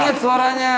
keren banget suaranya